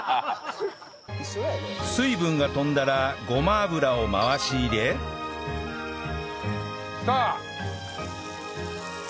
水分が飛んだらごま油を回し入れきた！